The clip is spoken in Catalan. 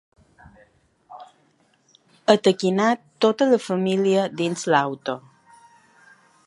Ataquinar tota la família dins l'auto.